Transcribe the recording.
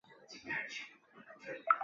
系统命名法恶作剧可以为